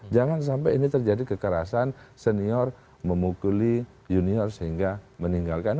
jangan sampai ini terjadi kekerasan senior memukuli junior sehingga meninggalkan